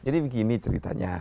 jadi begini ceritanya